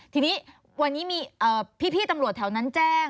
ทีนี้วันนี้มีพี่ตำรวจแถวนั้นแจ้ง